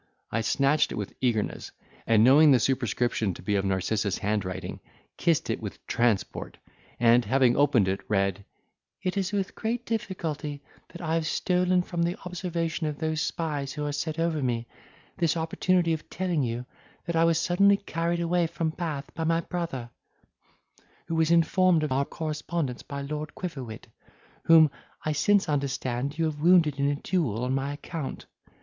I snatched it with eagerness, and knowing the superscription to be of Narcissa's handwriting, kissed it with transport, and, having opened it, read: "It is with great difficulty that I have stolen, from the observation of those spies who are set over me, this opportunity of telling you, that I was suddenly carried away from Bath by my brother, who was informed of our correspondence by Lord Quiverwit whom, I since understand, you have wounded in a duel on my account.